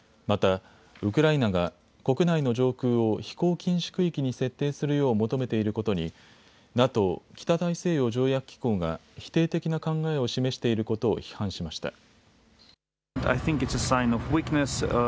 また、ウクライナが国内の上空を飛行禁止区域に設定するよう求めていることにＮＡＴＯ・北大西洋条約機構が否定的な考えを示していることを批判しました。